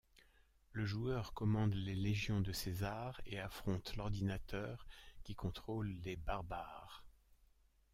Le joueur commande les légions de César et affronte l’ordinateur, qui contrôle les barbares.